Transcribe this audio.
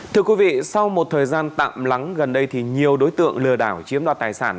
thưa quý vị sau một thời gian tạm lắng gần đây thì nhiều đối tượng lừa đảo chiếm đoạt tài sản